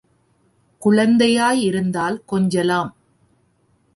குழந்தையாய் இருந்தால் கொஞ்சலாம்.